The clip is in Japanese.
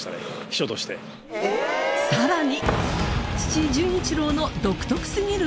さらに！